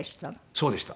そうでした。